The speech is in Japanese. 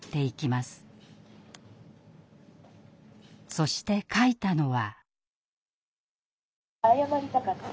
そして書いたのは。